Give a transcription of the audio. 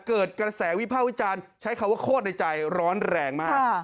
เกิดกระแสวิภาควิจารณ์ใช้คำว่าโคตรในใจร้อนแรงมาก